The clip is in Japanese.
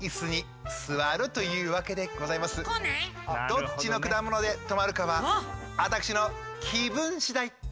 どっちのくだもので止まるかはあたくしのきぶんしだい。